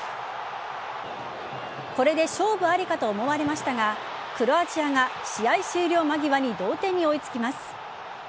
これで勝負ありかと思われましたがクロアチアが試合終了間際に同点に追いつきます。